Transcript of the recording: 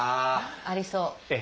ありそう。